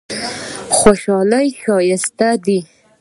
خوشحالي ښایسته دی.